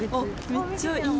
めっちゃいい。